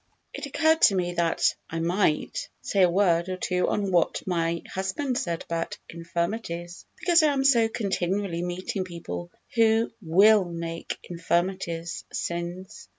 It occurred to me that I might say a word or two on what my husband said about infirmities, because I am so continually meeting people who will make infirmities sins.